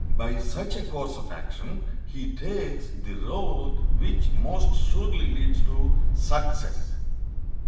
By such a course of action he takes the road which most surely leads to success.